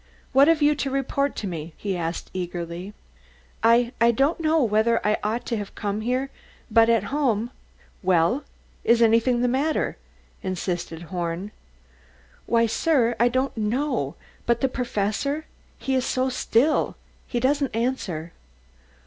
"What have you to report to me?" he asked eagerly. "I I don't know whether I ought to have come here, but at home " "Well, is anything the matter?" insisted Horn. "Why, sir, I don't know; but the Professor he is so still he doesn't answer."